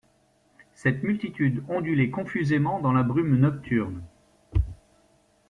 Cette multitude ondulait confusément dans la brume nocturne.